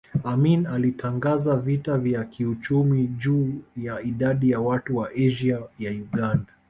Amin alitangaza vita vya kiuchumi juu ya idadi ya watu wa Asia ya Uganda